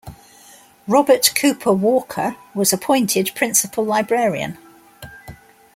Robert Cooper Walker was appointed Principal Librarian.